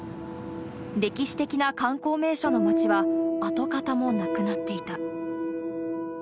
歴史的な観光名所の町は、跡形もなくなっていた。